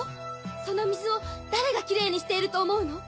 その水を誰がきれいにしていると思うの？